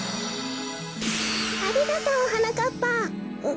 ありがとうはなかっぱ。